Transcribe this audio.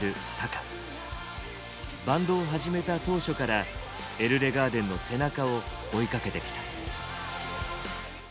バンドを始めた当初からＥＬＬＥＧＡＲＤＥＮの背中を追いかけてきた。